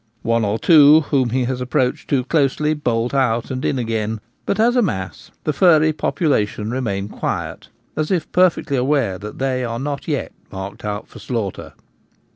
One or two whom he has approached too closely bolt out and in again ; but as a mass the furry population remain quiet, as if per fectly aware that they are not yet marked out for ^laughter.